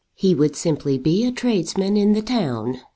He would simply be a tradesman in the town.